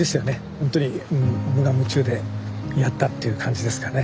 ほんとに無我夢中でやったっていう感じですかね。